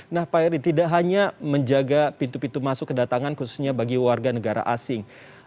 nah pak eri tidak hanya menjaga pintu pintu masuk kedatangan khususnya bagi warga negara asing